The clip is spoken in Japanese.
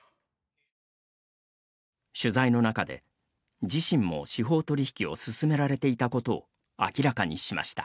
取材の中で、自身も司法取引を勧められていたことを明らかにしました。